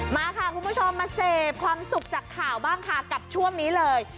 มาค่ะคุณผู้ชมมาเสพความสุขจากข่าวบ้างค่ะกับช่วงนี้เลย